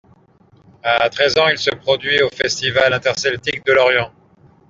À treize ans, il se produit au Festival interceltique de Lorient.